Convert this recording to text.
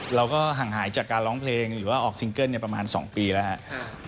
เราก็ห่างหายจากการร้องเพลงหรือว่าออกซิงเกิ้ลประมาณ๒ปีแล้วครับ